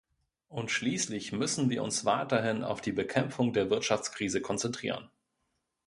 Und schließlich müssen wir uns weiterhin auf die Bekämpfung der Wirtschaftskrise konzentrieren.